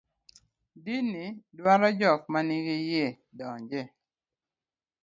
din ni dwaro jok manigi yie donje